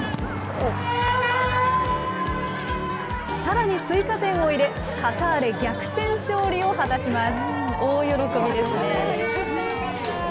さらに追加点を入れ、カターレ、逆転勝利を果たします。